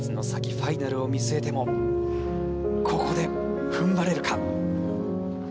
ファイナルを見据えてもここで踏ん張れるか。